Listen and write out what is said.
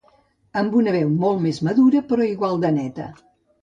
Amb una veu molt més madura però igual de neta.